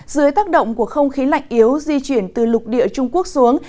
dưới tác động của không khí lạnh yếu di chuyển từ lục địa trung quốc xuống